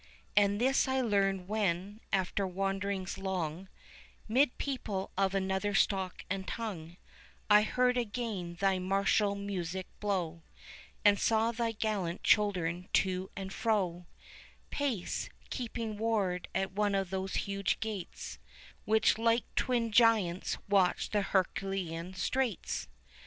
And this I learned when, after wanderings long 'Mid people of another stock and tongue, I heard again thy martial music blow, And saw thy gallant children to and fro 5 Pace, keeping ward at one of those huge gates, Which like twin giants watch the Herculean Straits.